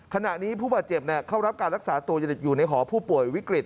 ขณะนี้ผู้บาดเจ็บเข้ารับการรักษาตัวอยู่ในหอผู้ป่วยวิกฤต